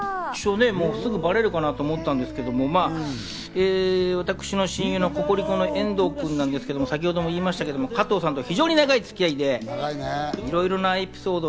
すぐバレるかと思ったんですけど、私の親友のココリコの遠藤君なんですけど、加藤さんと非常に長いつき合いで、いろいろなエピソード